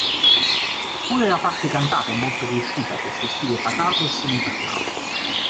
Pure la parte cantata è molto riuscita col suo stile pacato e semi parlato.